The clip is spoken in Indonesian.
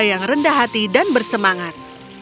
yang rendah hati dan bersemangat